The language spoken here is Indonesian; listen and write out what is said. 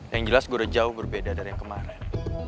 yang jelas gue udah jauh berbeda dari yang kemarin